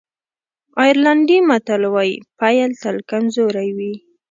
آیرلېنډی متل وایي پيل تل کمزوری وي.